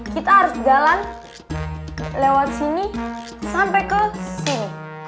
kita harus jalan lewat sini sampai ke sini